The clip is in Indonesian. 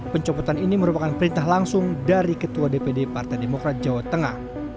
pencopotan ini merupakan perintah langsung dari ketua dpd partai demokrat jawa tengah